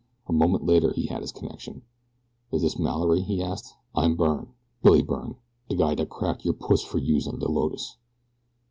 A moment later he had his connection. "Is this Mallory?" he asked. "I'm Byrne Billy Byrne. De guy dat cracked your puss fer youse on de Lotus."